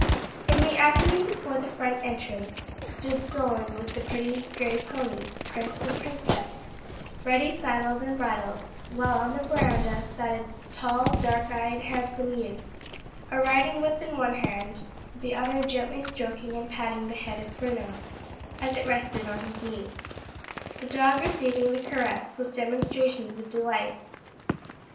In the avenue before the front entrance, stood Solon with the pretty grey ponies, Prince and Princess, ready saddled and bridled, while on the veranda sat a tall, dark eyed, handsome youth, a riding whip in one hand, the other gently stroking and patting the head of Bruno, as it rested on his knee; the dog receiving the caress with demonstrations of delight.